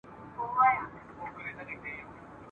او مخلوق ته سي لګیا په بد ویلو ..